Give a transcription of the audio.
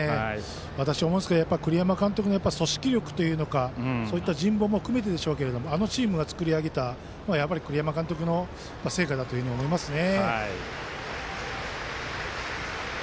私、思いますが栗山監督の組織力というか人望も含めてでしょうけどあのチームを作り上げた栗山監督の成果だと思いますね。